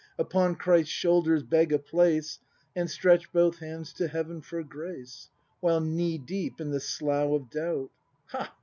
Upon Christ's shoulders beg a place, And stretch both hands to Heaven for grace — While knee deep in the slough of doubt. Ha!